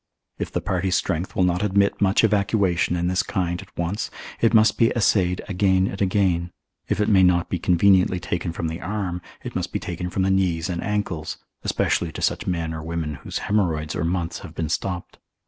If the party's strength will not admit much evacuation in this kind at once, it must be assayed again and again: if it may not be conveniently taken from the arm, it must be taken from the knees and ankles, especially to such men or women whose haemorrhoids or months have been stopped.